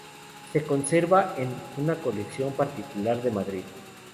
Se conserva en una colección particular de Madrid.